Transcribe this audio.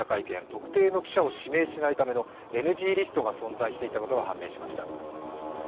特定の記者を指名しないためのＮＧリストが存在していたことが分かりました。